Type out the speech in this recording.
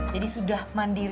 jadi sudah mandiri